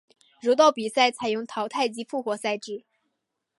柔道比赛采用淘汰及复活赛制。